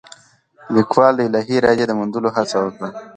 لیکوال د الهي ارادې د موندلو هڅه وکړه.